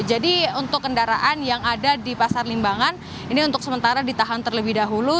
jadi untuk kendaraan yang ada di pasar limbangan ini untuk sementara ditahan terlebih dahulu